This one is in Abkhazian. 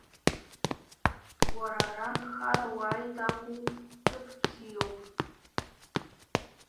Уара ара нхара уааит акәу, ҭыԥ бзиоуп.